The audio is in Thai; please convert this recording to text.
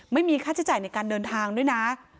ไม่มีค่าใช้จ่ายในการเดินทางด้วยนะ